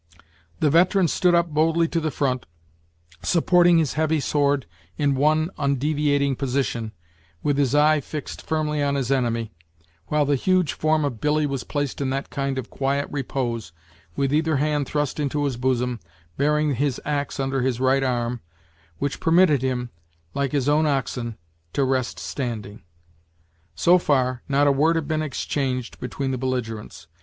The veteran stood up boldly to the front, supporting his heavy sword in one undeviating position, with his eye fixed firmly on his enemy, while the huge form of Billy was placed in that kind of quiet repose, with either hand thrust into his bosom, bearing his axe under his right arm, which permitted him, like his own oxen, to rest standing. So far, not a word had been exchanged between the belligerents.